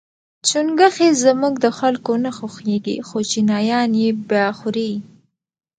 چونګښي زموږ د خلکو نه خوښیږي خو چینایان یې با خوري.